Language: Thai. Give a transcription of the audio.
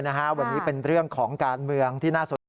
วันนี้เป็นเรื่องของการเมืองที่น่าสนใจ